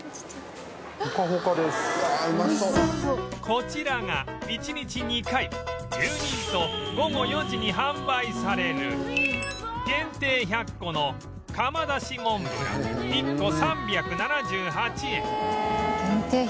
こちらが１日２回１２時と午後４時に販売される限定１００個の窯出しモンブラン１個３７８円へえ。